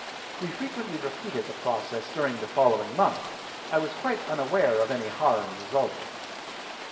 We frequently repeated the process during the following month; I was quite unaware of any harm resulting.